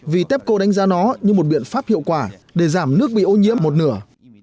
vì tepco đánh giá nó như một biện pháp hiệu quả để giảm nước bị ô nhiễm một nửa